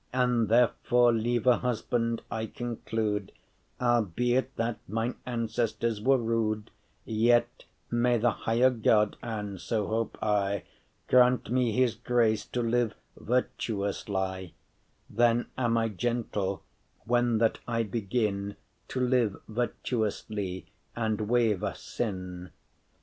And therefore, leve* husband, I conclude, *dear Albeit that mine ancestors were rude, Yet may the highe God, — and so hope I, — Grant me His grace to live virtuously: Then am I gentle when that I begin To live virtuously, and waive* sin.